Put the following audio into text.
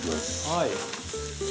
はい。